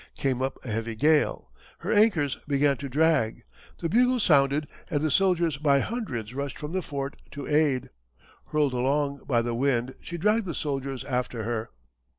Came up a heavy gale. Her anchors began to drag. The bugles sounded and the soldiers by hundreds rushed from the fort to aid. Hurled along by the wind she dragged the soldiers after her.